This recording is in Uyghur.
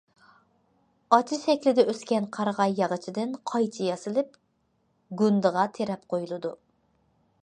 ئاچا شەكىلدە ئۆسكەن قارىغاي ياغىچىدىن قايچا ياسىلىپ، گۇندىغا تىرەپ قويۇلىدۇ.